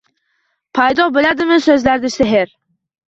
Paydo bo’ladimi, so’zlarda sehr?